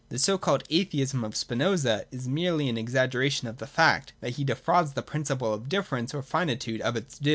The so called atheism of Spinoza is merely an exaggeration of the fact that he defrauds the principle of difference or finitude of its due.